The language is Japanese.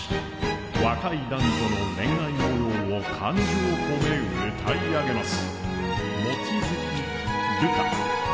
若い男女の恋愛模様を感情を込めて歌い上げます。